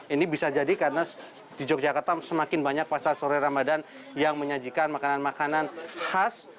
ini bisa jadi karena di yogyakarta semakin banyak pasar sore ramadhan yang menyajikan makanan makanan khas